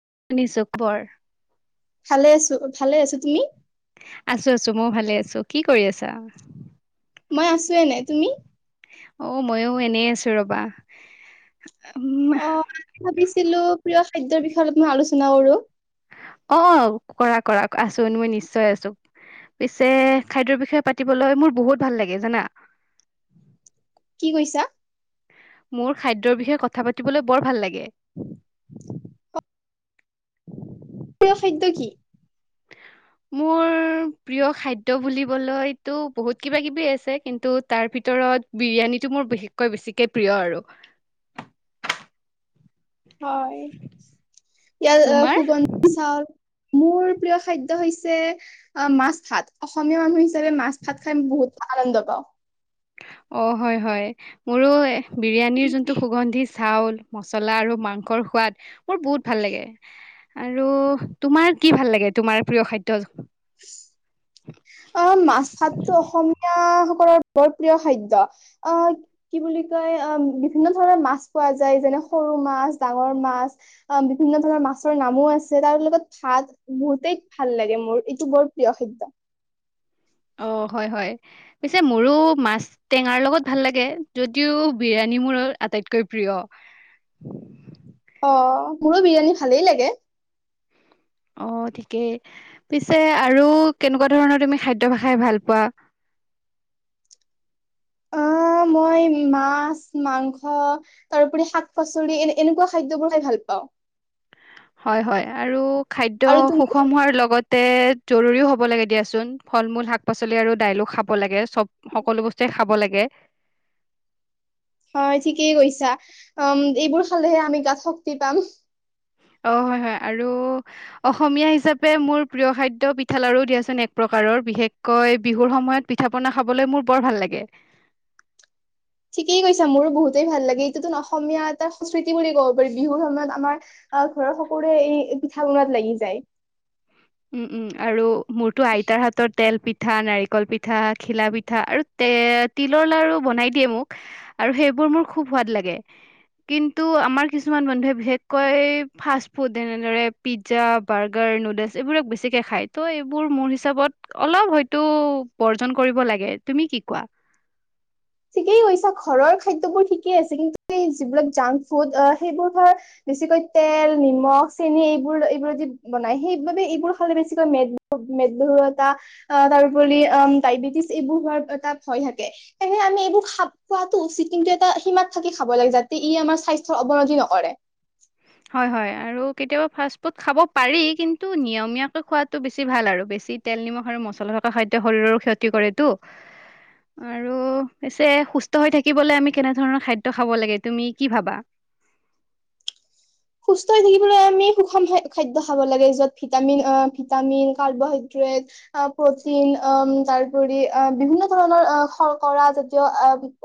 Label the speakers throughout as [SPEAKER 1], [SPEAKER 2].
[SPEAKER 1] [unintelligible]
[SPEAKER 2] ভালে আছো ভালে আছো তুমি
[SPEAKER 1] আছো আছো ময়ও ভালে আছো কি কৰি আছা?
[SPEAKER 2] মই আছো এনেই তুমি?
[SPEAKER 1] অ ময়ো এনেই আছো ৰবা। উম
[SPEAKER 2] অ ভাবিছ ছিলো প্ৰিয় খাদ্যৰ বিষয়ে অলপ মই আলোচনা কৰোঁ।
[SPEAKER 1] অ কৰা কৰা আচো মই নিশ্চয় আছো, পিছে খাদ্যৰ বিষয়ে পাতিবলৈ মোৰ বহুত ভাল লাগে জানা।
[SPEAKER 2] কি কৈছা
[SPEAKER 1] মোৰ খাদ্যৰ বিষয়ে কথা পাতিবলৈ বৰ ভাল লাগে।
[SPEAKER 2] প্ৰিয খাদ্য কি?
[SPEAKER 1] মোৰ প্ৰিয় খাদ্য বুলিবলৈতো বহুত কিবা কিবি আছে কিন্তু তাৰ ভিতৰত বিৰিয়ানীটো মোৰ বিশেষকৈ বেছিকে প্ৰিয় আৰু।
[SPEAKER 2] হয় ইয়াৰ
[SPEAKER 1] তোমাৰ
[SPEAKER 2] সুগন্ধি চাউল মোৰ প্ৰিয় খাদ্য হৈছে মাছ, ভাত অসমীয়া মানুহ মাছ ভাত খাই বহুত আনন্দ পাওঁ।
[SPEAKER 1] অ হয় হয় মোৰো বিৰিয়ানীৰ যোনটো সুগন্ধি চাউল মছলা আৰু মাংসৰ সোৱাদ মোৰ বহুত ভাল লাগে। আৰু তোমাৰ কি ভাল লাগে তোমাৰ প্ৰিয় খাদ্য?
[SPEAKER 2] [unintelligible]
[SPEAKER 1] হয় [unintelligible]
[SPEAKER 2] অ মাছ ভাতটো অসমীয়া সকলৰ বৰ প্ৰিয় খাদ্য, আহ কি বুলি কয় বিভিন্ন ধৰণৰ মাছ পোৱা যায়, যেনে সৰু মাছ, ডাঙৰ মাছ বিভিন্ন ধৰণৰ মাছৰ নামো আছে তাৰ লগত ভাত বহুতেই ভাল লাগে মোৰ এইটো বৰ প্ৰিয় খাদ্য।
[SPEAKER 1] অ হয় হয় পিছে মোৰো মাছ টেঙাৰ লগত ভাল লাগে যদিও বিৰিয়ানী মোৰ আটাইতকৈ প্ৰিয়।
[SPEAKER 2] অ মোৰো বিৰিয়ানী ভালেই লাগে।
[SPEAKER 1] অ ঠিকেই পিছে আৰু কেনেকুৱা ধৰণৰ তুমি খাদ্য খাই ভাল পোৱা?
[SPEAKER 2] অ মই মাছ মাংস তাৰপৰি শাক পাচলি এ এনেকুৱা খাদ্যবোৰ খাই ভাল পাওঁ।
[SPEAKER 1] হয় হয় আৰু খাদ্য
[SPEAKER 2] আৰু তুমি
[SPEAKER 1] সুষম হোৱাৰ লগত তে জৰুৰীও হব লাগে দিয়াচোন, ফল মূল শাক পাচলি আৰু দাইলো খাব লাগে চব সকলো বস্তুৱে খাব লাগে।
[SPEAKER 2] হয় ঠিকেই কৈছা উম এইবোৰ খালেহে আমি গাত শক্তি পাম।
[SPEAKER 1] অ হয় হয় আৰু অসমীয়া হিচাপে মোৰ প্ৰিয় খাদ্য পিঠা লাৰু দিয়াচোন এক প্ৰকাৰৰ বিশেষকৈ বিহুৰ সময়ত পিঠা পনা খাবলৈ মোৰ বৰ ভাল লাগে।
[SPEAKER 2] ঠিকেই কৈছা মোৰো বহুতেই ভাল লাগে এইটোতো অসমীয়া এটা সংস্কৃতি বুলি কব পাৰি বিহুৰ সময়ত আমাৰ আহ ঘৰৰ সকলোৰে এই পিঠা বনোৱাত লাগি যায়।
[SPEAKER 1] উম উম আৰু মোৰতো আইতাৰ হাতত তেল পিঠা, নাৰিকল পিঠা, ঘিলা পিঠা, আৰু তে তিলৰ লাৰু বনাই দিয়ে মোক, আৰু সেইবোৰ মোৰ খুব সোৱাদ লাগে কিন্তু আমাৰ কিছুমান মানুহে বিশেষকৈ ফাষ্ট ফুড যেনেদৰে পিজ্জা বাৰ্গাৰ নুডেলছ। এইবোৰক বেছিকে খাই ত' এইবোৰ মোৰ হিচাপত অলপ হয়তো বৰ্জন কৰিব লাগে তুমি কি কোৱা?
[SPEAKER 2] ঠিকেই কৈছা ঘৰৰ খাদ্যবোৰ ঠিকেই আছে কিন্তু এই যিবিলাক জাংক ফুড সেইবোৰ ধৰ বেছিকৈ তেল নিমখ চেনি এইবোৰ এইবোৰ বনাই সেইবাবে এইবোৰ খালে বেছিকৈ মেদহু মেদ বিহু এটা তাৰপৰি ডায়বেটিছ এইবোৰ হোৱাৰ এটা ভয় থাকে সেই তে আমি এইবোৰ খ খোৱাতো উচিত কিন্তু এটা সীমাত থাকি খাব লাগে যাতে ই আমাৰ স্বাস্থ্যৰ অৱনতি নকৰে।
[SPEAKER 1] হয় হয় আৰু কেতিয়াবা ফাষ্ট ফুড খাব পাৰি কিন্ত নিয়মীয়াকৈ খোৱাটো বেছি ভাল আৰু বেছি তেল নিমখ আৰু মছলা থকা খাদ্য শৰীৰৰ ক্ষতি কৰে টো আৰু পিছে সুষ্ট হৈ থাকিবলে আমি কেনেধৰণৰ খাদ্য খাব লাগে তুমি কি ভাবা?
[SPEAKER 2] সুস্থ হৈ থাকিব আমি সুষম খাদ্য খাব লাগে যত ভিটামিন আহ ভিটামিন কাৰ্বহাইড্ৰেট প্ৰটিন তাৰপৰি বিভিন্ন ধৰণৰ শৰ্কৰা জাতীয়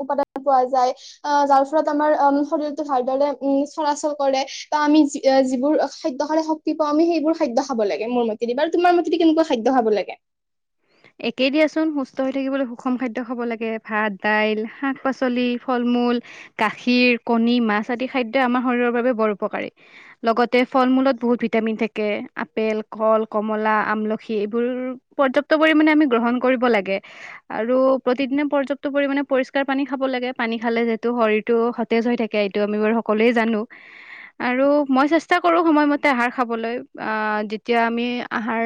[SPEAKER 2] উপাদান পোৱা যায় আহ যাৰ ফলত আমাৰ শৰীৰটো ভালদৰে চলাচল কৰে। ত আমি যি যিবোৰ খাদ্য খালে শক্তি পাওঁ আমি সেইবোৰ খাদ্য খাব লাগে মোৰ মতেদি তোমাৰ মতেদি কেনেকুৱা খাদ্য খাব লাগে?
[SPEAKER 1] একে দিয়াচোন সুস্থ হৈ থাকিবলৈ সুষম খাদ্য খাব লাগে ভাত দাইল শাক পাচলি ফল মূল গাখীৰ কণী মাছ আদি খাদ্যই আমাৰ শৰীৰৰ বাবে বৰ উপকাৰী লগতে ফল মূলত বহুত ভিটামিন থাকে আপেল কল কমলা আমলখি এইবোৰ পৰ্যা ত পৰিমাণে আমি গ্ৰহণ কৰিব লাগে আৰু প্ৰতিদিনে পৰ্যাপ্ত পৰিমাণে পৰিষ্কাৰ পানী খাব লাগে পানী খালে যিহেতু শৰীৰটো সতেজ হৈ থাকে এইটো আমি বাৰু সকলোৱে জানো আৰু মই চেষ্টা কৰো সময়মতে আহাৰ খাবলৈ যেতিয়া আমি আহাৰ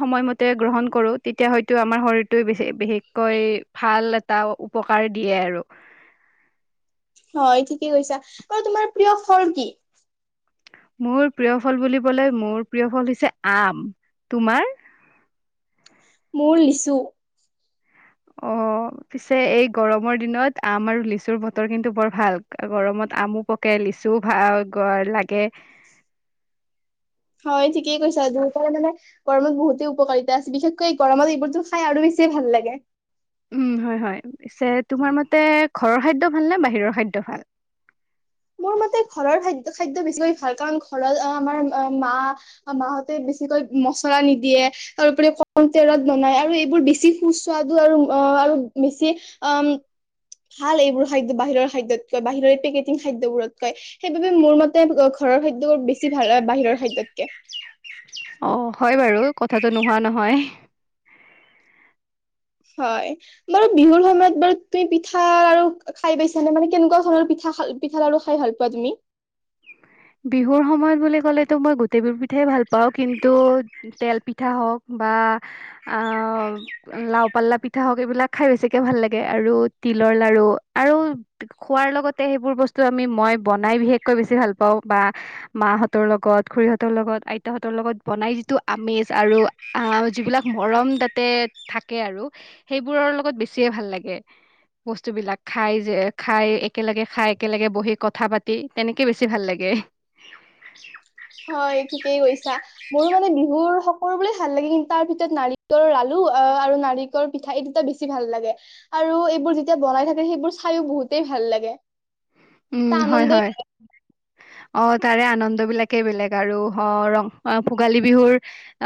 [SPEAKER 1] সময়মতে গ্ৰহণ কৰোঁ তেতিয়া হয়তো আমাৰ শৰীৰটোৱে বে বিশেষকৈ ভাল এ এটা উপকাৰ দিয়ে আৰু
[SPEAKER 2] হয় ঠিকেই কৈছা আৰু তোমাৰ প্ৰিয় ফল কি?
[SPEAKER 1] মোৰ প্ৰিয় ফল বুলি কলে মোৰ প্ৰিয় ফল হৈছে আম তোমাৰ?
[SPEAKER 2] মোৰ লিছু
[SPEAKER 1] অ পিছে এই গৰমৰ দিনত আম আৰু লিচুৰ বতৰ কিন্তু বৰ ভাল গৰমত আমো পকে লিচুও ভাল লাগে
[SPEAKER 2] হয় ঠিকেই কৈছা দুইটাই মানে গৰমত বহুতেই উপকাৰিতা আছে বিশেষকৈ গৰমত এইবোৰতো খাই আৰু বেছিয়ে ভাল লাগে।
[SPEAKER 1] উম হয় হয় পিছে তোমাৰ মতে ঘৰৰ খাদ্য ভাল নে বাহিৰৰ খাদ্য ভাল?
[SPEAKER 2] মোৰ মতে ঘৰৰ খাদ্য খাদ্য বেছিকৈ ভাল কাৰণ ঘৰত আমাৰ মা মাহতে বেছিকৈ মচলা নিদিয়ে তাৰপৰি কম তেলত বনাই আৰু এইবোৰ বেছি সুস্বাদু আৰু অ আৰু বেছি আ ভাল এইবোৰ খাদ্য বাহিৰৰ খাদ্যতকৈ বাহিৰৰ পেকেটিং খাদ্যবোৰতকৈ সেইবাবে মোৰ মতে ঘৰৰ খাদ্যবোৰ বেছি ভাল হয় বাহিৰৰ খাদ্যতকে।
[SPEAKER 1] অ হয় বাৰু কথাটো নোহোৱা নহয়।
[SPEAKER 2] হয় বাৰু বিহুৰ সময়ত বাৰু তুমি পিঠা আৰু খাই পাইছানে মানে কেনেকুৱা ধৰণৰ পিঠা পিঠা লাৰু খাই ভাল পোৱা তুমি?
[SPEAKER 1] বিহুৰ সময়ত বুলি ক'লেতো মই গোটেই বিোৰ পিঠাই ভাল পাওঁ। কিন্তু তেল পিঠা হওক বা, আ, লাও পাল্লা পিঠা হওক, এইবিলাক খাই বেছিকে ভাল লাগে। আৰু তিলৰ লাাৰু আৰু খোৱাৰ লগতে সেইবোৰ বস্তু আমি মই বনাই বিশেষকৈ বেছি ভাল পাওঁ। প বা মাহঁতৰ লগত, খুৰীহঁতৰ লগত, আইতাহতৰ লগত, বনাই যিটো আমেজ আৰু আহ যিবিলাক মৰম তাতে থাকে। আৰু সেইবোৰৰ লগত বেছিয়ে ভাল লাগে, বস্তুবিলাক খাই যে খাই একেলগে খাই একেলগে বহি কথা পাতি তেনেকে বেছি ভাল লাগে।
[SPEAKER 2] হয় ঠিকেই কৈছা মোৰো মানে বিহুৰ কৰ ভাল লাগে কিন্তু তাৰ ভিতৰত নাৰিকলৰ আলু আহ আৰু নাৰিকলৰ পিঠা এই দুটা বেছি ভাল লাগে। আৰু এইবোৰ যেতিয়া বনাই থাকে সেইবোৰ চাইও বহুতেই ভাল লাগে।
[SPEAKER 1] উম,
[SPEAKER 2] ত
[SPEAKER 1] হয়,
[SPEAKER 2] আনন্দ
[SPEAKER 1] হয়। অ, তাৰে আনন্দ বিলাকেই বেলেগ আৰু অ ৰং ভোগালী বিহুৰ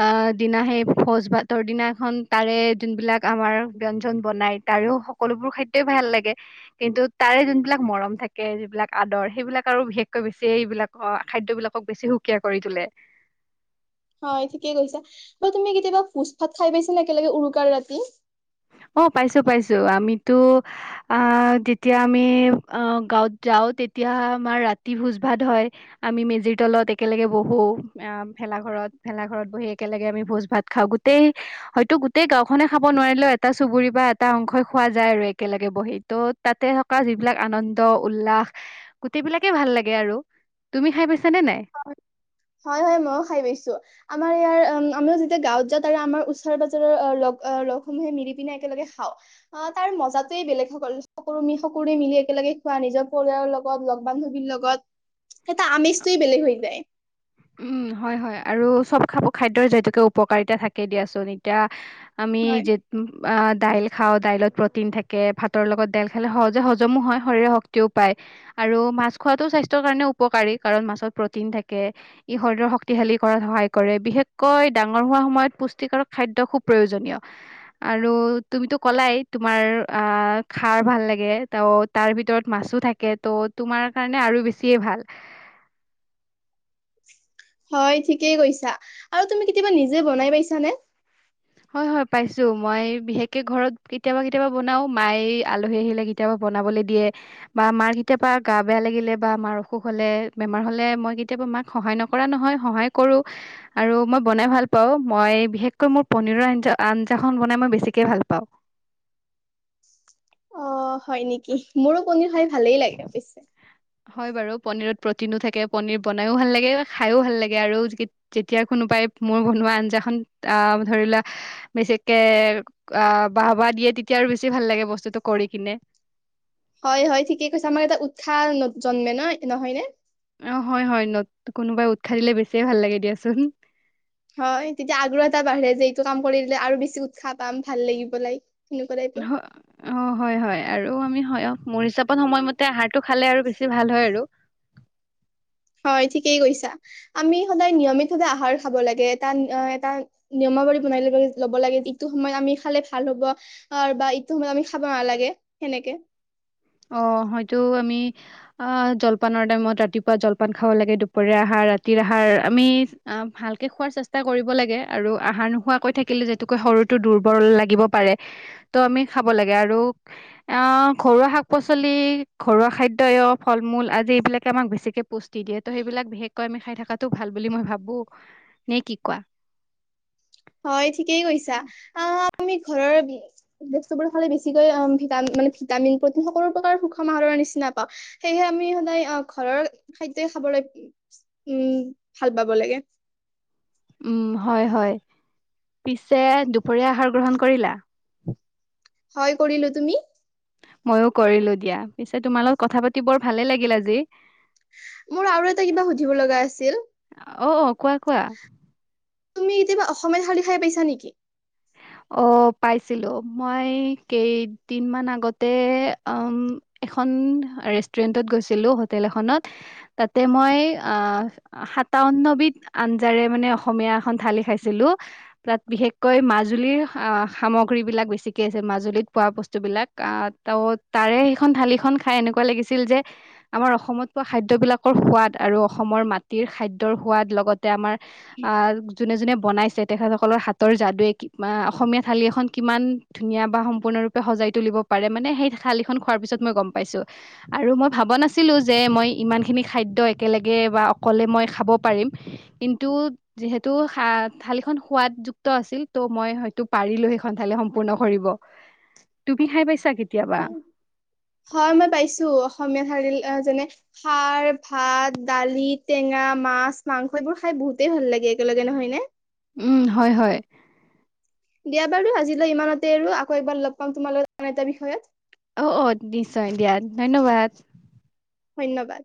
[SPEAKER 1] আহ দিনা সেই ভোজ ভাতৰ দিনাখন তাৰে যোন বিলাক আমাৰ ব্য়ঞ্জন বনাই তাৰেও সকলোবোৰ খাদ্য ভাল লাগে কিন্তু তাৰে যোনবিলাক মৰম থাকে? যিবিলাক আদৰ সেইবিলাক আৰু বিশেষকৈ বেছি এইবিলাক খাদ্যবলাকক বেছি সুকীয়া কৰি তোলে।
[SPEAKER 2] হয়, ঠিকেই কৈছা ব তুমি কেতিয়াবা ভোজ ভাত খাই পাইছা নে? একেলগে উৰুকাৰ ৰাতি।
[SPEAKER 1] অ, পাইছো পাইছো আমিতো অ, যেতিয়া আমি অ, গাঁৱত যাও। তেতিয়া আমাৰ ৰাতি ভোজ ভাত হয়। আমি মেজিৰ তলত একেলগে বহো আহ ভেলা ঘৰত ভেলা ঘৰত বহি একেলগে আমি ভোজ ভাত খাওঁ, গোটেই হয়তো গোটেই গাওখনে খাব নোৱাৰিলেও এটা চুবুৰী বা এটা অংশই খোৱা যায়, আৰু একেলগে বহি ত' তাতে থকা যিবিলাক আনন্দ উল্লাস গোটেইবিলাকে ভাল লাগে আৰু তুমি খাই পাইছা?
[SPEAKER 2] হয়, হয়, ময়ো খাই পাইছো। আমাৰ ইয়াৰ উ আমিও যেতিয়া গাঁৱত যাওঁ তাৰে আমাৰ ওচৰ পাজৰৰ আহ লগ লগসমূহে মিলি পিনে একেলগে খাওঁ। তাৰ মজাতয়ে বেলেগসকল সকলো সকলোৰে মিলি একেলগে খুৱোৱা নিজৰ পৰিয়ালৰ লগত লগ বান্ধৱীৰ লগত সেইটা [unintelligible] আমি হৈ, যায়।
[SPEAKER 1] উম, হয়, হয়, আৰু চব খ খাদ্যৰ যিহেতুকে উপকাৰীতা থাকে দিয়াচোন এতিয়া আমি
[SPEAKER 2] হয়
[SPEAKER 1] যে দাইল খাওঁ দাইলত প্ৰটিন থাকে, ভাতৰ লগত দাইল খালে সহজে হজমো হয়, শৰৰে শক্তিও পায়। আৰু মাছ খোৱাাতো স্বাস্থ্যৰ কাৰণে উপকাৰী কাৰণ মাছত প্ৰটিন থাকে। ই শৰীৰৰ শক্তিশালী কৰাত সহায় কৰে, বিশেষকৈ ডাঙৰ হোৱা সময়ত পুষ্টিকৰক খাদ্য খুব প্ৰয়োজনীয় আৰু তুমিতো ক'লাই তোমাৰ আহ খাৰ ভাল লাগে, ত তাৰ ভিতৰত মাছো থাকে, ত' তোমাৰ কাৰণে আৰু বেছিয়ে ভাল।
[SPEAKER 2] হয়, ঠিকেই কৈছা আৰু তুমি কেতিয়াবা নিজে বনাই পাইছানে?
[SPEAKER 1] হয়, হয়, পাইছো মই বিশেষকে ঘৰত কেতিয়াবা, কেতিয়াবা বনাও মায়ে আলহী, আহিলে কেতিয়াবা বনাবলৈ দিয়ে বা মাৰ কেতিয়াবা গা বেয়া লাগিলে বা মাৰ অসুখ হলে, বেমাৰ হলে, মই কেতিয়াবা মাক সহায় নকৰা নহয় সহায় কৰো, আৰু মই বনাই ভাল পাওঁ, মই বিশেষকৈ মোৰ পনীৰৰ আঞ্জা-আঞ্জাখন বনাই মই বেছিকে ভাল পাওঁ।
[SPEAKER 2] অ', হয়, নেকি মোৰো কনীৰ খাই ভালেই লাগে বেছ
[SPEAKER 1] হয়, বাৰু পনিৰত প্ৰটিনো থাকে, পনিৰ বনায়ো ভাল লাগে, খাইও ভাল লাগে আৰু যেতিয়া কোনোবাই মোৰ বনোৱা আঞ্জাখন আহ ধৰি লোৱা বেছিকে আহ বাহ বাহ দিয়ে, তেতিয়া আৰু বেছি ভাল লাগে বস্তুটো কৰি কিনে।
[SPEAKER 2] হয়, হয়, ঠিকে কৈছা আমাৰ এটা উৎসাহ জন্মে ন' নহয় নে?
[SPEAKER 1] অ', হয়, হয়, ন' কোনোবাই উৎসাহ দিলে বেছিয়ে ভাল লাগে দিয়াচোন।
[SPEAKER 2] হয়, তেতিয়া আগ্ৰহ এটা বাঢ়ে যে, এইটো কাম কৰিলে আৰু বেছি উৎসাহ পাম ভাল লাগিবলৈ।
[SPEAKER 1] অ', হয়, হয় আৰু আমি হয় মোৰ হিচাপত সময়মতে টো খালে আৰু বেছি ভাল হয় আৰু।
[SPEAKER 2] হয় ঠিকেই কৈছা, আমি সদায় নিয়মিতভাৱে আহাৰ খাব লাগে এটা এটা নিয়মাৱলী বনাই ল' লব লাগে ইটো সময়ত আমি খালে ভাল হ'ব বা ইটো সময়ত আমি খাব নালাগে সেনেকে।
[SPEAKER 1] অ', হয়তো আমি আহ জলপানৰ টাইমত ৰাতিপুৱা জলপান খাব লাগে, দুপৰীয়া আহাৰ ৰাতিৰ আহাৰ আমি ভালকে খোৱাৰ চেষ্টা কৰিব লাগে, আৰু আহাৰ নোখোৱাকৈ থাকিলে যেতুকে সৰুতটো দুৰ্বল লাগিব পাৰে, ত আমি খাব লাগে আৰু আহ ঘৰুৱা শাক শাক-পাচলি, ঘৰুৱা খাদ্যয় ফল-মূল, আদি এইবিলাকে আমাক বেছিকে পুষ্টি দিয়ে ত' সেইবিলাক বিশেষকৈ আমি খাই থকাতটো ভাল বুলি মই ভাবো নে কি কোৱা?
[SPEAKER 2] হয়, ঠিকেই কৈছা অ', আমি ঘৰৰ বস্তুবোৰ খালে বেছিকৈ মানে ভিটামিন প্ৰ'টিন সকলো প্ৰকাৰৰ সুষম আহৰৰ নিচিনা পাওঁ, সেয়েহে আমি সদায় ঘৰৰ খাদ্যয়ই খাবলৈ উম, ভাল পাব লাগে।
[SPEAKER 1] উম, হয়, হয়, পিছে দুপৰীয়া আহাৰ গ্ৰহণ কৰিলা?
[SPEAKER 2] হয় কৰিলো, তুমি?
[SPEAKER 1] ময়ো কৰিলো দিয়া পিছে, তোমাৰ লগত কথা পাতি বৰ ভালে লাগিল আজি।
[SPEAKER 2] মোৰ আৰু এটা কিবা সুধিব লগা আছিল।
[SPEAKER 1] অ' অ' কোৱা কোৱা।
[SPEAKER 2] তুমি কেতিয়াবা অসমীয়া থালি খাই পাইছা নেকি?
[SPEAKER 1] অ', পাইছিলো মই কেইদিন মান আগতে অ', এখন ৰেষ্টুৰেন্টত গৈছিলো হোটেল এখনত তাতে মই অ সাতাৱন্নবিধ আঞ্জাৰে মানে অসমীয়া এখন থালি খাইছিলো তাত বিশেষকৈ মাছ। জুলী সামগ্ৰী বিলাক বেছিকে আছে মাজুলীত পোৱা বস্তু বিিলাক অ ত তাৰে সেইখন থঢালি খ খাই এনেকুৱা লাগিছিল যে আমাৰ অসমত পোৱা খাদ্যবিলাকৰ সোৱাদ আৰু অসমৰ মাটিৰ খাদ্যৰ সোৱাদ লগত যে আমাৰ আহ যোনে যোনে বনাইছে তেখেতসকলৰ হাতৰ যাদুৱে বা অসমীয়া থালি এখন কিমান ধুনীয়া বা সম্পূৰ্ণৰূপে সজাই তুলিব পাৰে মানে সেই থালিখন খোৱাৰ পিছত মই গম পাইছোঁ আৰু মই ভাব নাছিলোঁ যে মই ইমানখিনি খাদ্য একেলগে বা অকলে মই খাব পাৰিম কিন্তু যিহেতু থালিখন সোৱাদযুক্ত আছিল। তু মই হয়তো পাৰিলো সেইখন থালি সম্পূৰ্ণ কৰিব, তুমি খাই পাইছা? কেতিয়াবা
[SPEAKER 2] হয়, হয় মই পাইছো অসমীয়া থালি অ', যেনে খাৰ ভাত দালি টেঙা মাছ-মাংস এইবোৰ খাই বহুতেই ভাল লাগে একেলগে নহয় নে?
[SPEAKER 1] উম, হয়, হয়।
[SPEAKER 2] দিয়া বাৰু আজিলৈ ইমানতে আৰু আকৌ এবাৰ লগ পাম তোমালে আন এটা বিষয়ত।
[SPEAKER 1] অ', অ', নিশ্চয় দিয়া ধন্যবাদ।
[SPEAKER 2] ধন্যবাদ।